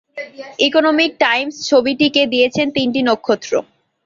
Economic Times ছবিটিকে দিয়েছেন তিনটি নক্ষত্র।